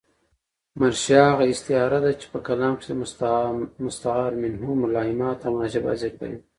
مرشحه هغه استعاره ده، چي په کلام کښي د مستعارمنه ملایمات اومناسبات ذکر يي.